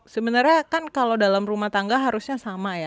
sebenarnya kan kalau dalam rumah tangga harusnya sama ya